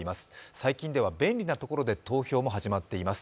最近では便利なところで投票も始まっています。